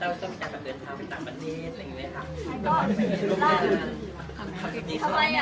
ต้องใช้แบบเดินทางไปต่างประเทศอะไรแบบนี้เนี่ยค่ะ